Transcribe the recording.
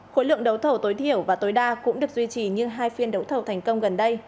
khối lượng đấu thầu tối thiểu và tối đa cũng được duy trì như hai phiên đấu thầu thành công gần đây